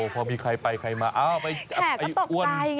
พอมีใครไปใครมาแขกก็ตกตายไง